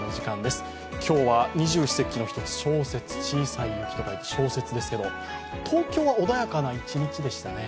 今日は二十四節気の一つ小さい雪と書いて小雪ですけど、東京は穏やかな一日でしたね。